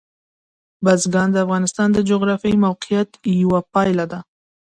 بزګان د افغانستان د جغرافیایي موقیعت یوه پایله ده.